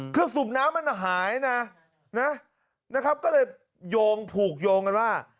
สูบน้ำมันหายนะนะนะครับก็เลยโยงผูกโยงกันว่า